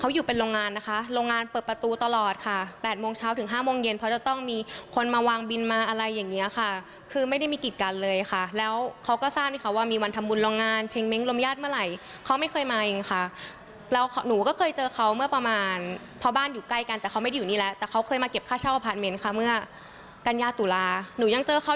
เขาอยู่เป็นโรงงานนะคะโรงงานเปิดประตูตลอดค่ะ๘โมงเช้าถึง๕โมงเย็นเพราะจะต้องมีคนมาวางบินมาอะไรอย่างนี้ค่ะคือไม่ได้มีกิจกันเลยค่ะแล้วเขาก็ทราบด้วยเขาว่ามีวันทำบุญโรงงานเช็งเม้งค์ลมญาติเมื่อไหร่เขาไม่เคยมาเองค่ะแล้วหนูก็เคยเจอเขาเมื่อประมาณพอบ้านอยู่ใกล้กันแต่เขาไม่ได้อยู่นี่แล้วแต่เขา